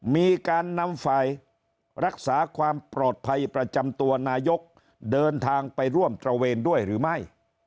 มีการนำฝ่ายรักษาความปลอดภัยประจำตัวนายกเดินทางไปร่วมตระเวนด้วยหรือไม่